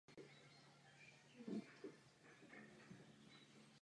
Studoval v Krakově.